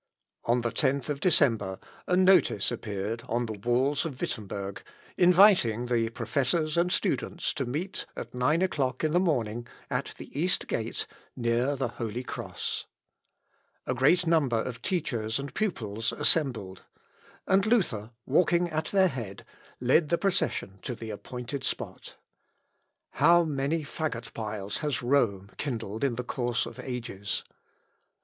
On the 10th December, a notice appeared on the walls of Wittemberg, inviting the professors and students to meet at nine o'clock in the morning, at the east gate, near the holy cross. A great number of teachers and pupils assembled, and Luther, walking at their head, led the procession to the appointed spot. How many faggot piles has Rome kindled in the course of ages!